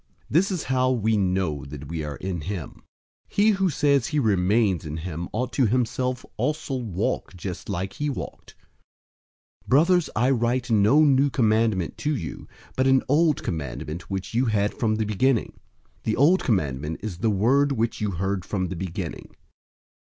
This is how we know that we are in him: 002:006 he who says he remains in him ought himself also to walk just like he walked. 002:007 Brothers, I write no new commandment to you, but an old commandment which you had from the beginning. The old commandment is the word which you heard from the beginning.